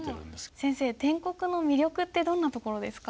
先生篆刻の魅力ってどんなところですか？